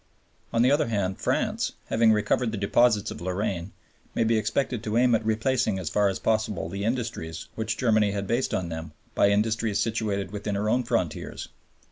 On the other hand, France, having recovered the deposits of Lorraine, may be expected to aim at replacing as far as possible the industries, which Germany had based on them, by industries situated within her own frontiers.